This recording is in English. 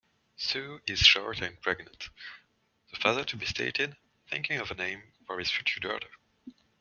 "Sue is short and pregnant", the father-to-be stated, thinking of a name for his future daughter.